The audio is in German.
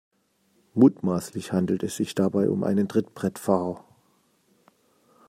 Mutmaßlich handelt es sich dabei um einen Trittbrettfahrer.